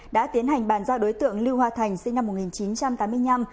đã tiến hành bàn giao đối tượng lưu hoa thành sinh năm một nghìn chín trăm tám mươi năm